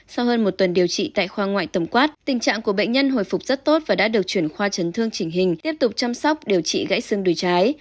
sau hơn một tuần điều trị tại khoa ngoại tổng quát tình trạng của bệnh nhân hồi phục rất tốt và đã được chuyển khoa chấn thương chỉnh hình tiếp tục chăm sóc điều trị gãy xương đùi trái